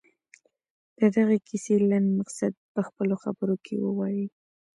د دغې کیسې لنډ مقصد دې په خپلو خبرو کې ووايي.